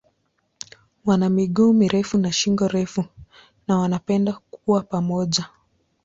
Wana miguu mirefu na shingo refu na wanapenda kuwa pamoja.